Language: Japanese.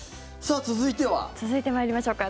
続いて参りましょうか。